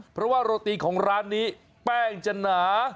เพราะว่าโรตีของร้านนี้แป้งจะหนา